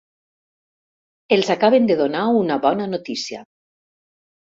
Els acaben de donar una bona notícia.